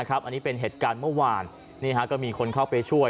อันนี้เป็นเหตุการณ์เมื่อวานก็มีคนเข้าไปช่วย